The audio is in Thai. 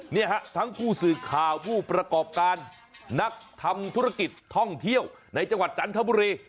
เนี่ยฮะทั้งผู้สื่อข่าวผู้ประกอบการนักทำธุรกิจท่องเที่ยวในจังหวัดจันทบุรี